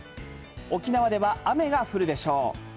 沖縄では雨が降るでしょう。